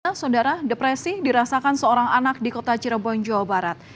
keasun darah depresi dirasakan seorang anak di kota cirebon jawa barat